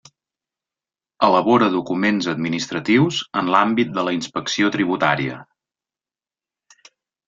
Elabora documents administratius en l'àmbit de la inspecció tributària.